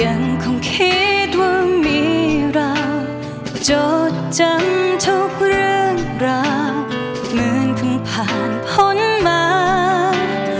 ยังคงคิดว่ามีเราจดจำทุกเรื่องราวเหมือนเพิ่งผ่านพ้นมา